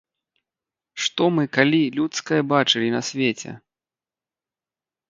Што мы калі людскае бачылі на свеце?